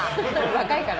若いからね。